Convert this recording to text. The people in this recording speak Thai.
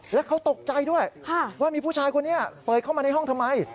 แล้วเขาตกใจด้วยว่ามีผู้ชายคนนี้เปิดเข้ามาในห้องทำไม